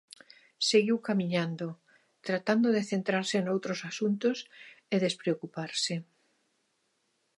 Seguiu camiñando, tratando de centrarse noutros asuntos e despreocuparse.